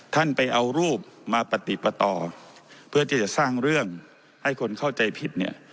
ท่านไปเอารูปมาปฏิปต่อเพื่อที่จะสร้างเรื่องให้คนเข้าใจผิดเนี่ย